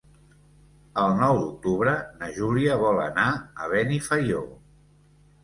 El nou d'octubre na Júlia vol anar a Benifaió.